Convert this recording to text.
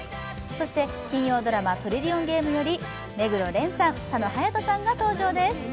そして金曜ドラマ「トリリオンゲーム」より目黒蓮さん、佐野勇斗さんが登場です。